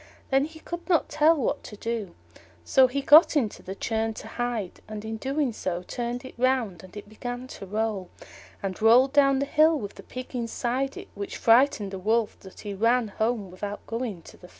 Then he could not tell what to do. So he got into the churn to hide, and in doing so turned it round, and it began to roll, and rolled down the hill with the Pig inside it, which frightened the Wolf so much that he ran home without going to the Fair.